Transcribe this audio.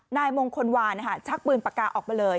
นายมงคลวานชักปืนปากกาออกมาเลย